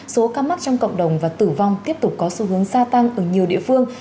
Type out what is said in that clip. số ca mắc trong cộng đồng và tử vong tiếp tục có xu hướng gia tăng ở nhiều địa phương